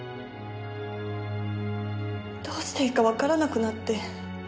どうしていいかわからなくなって。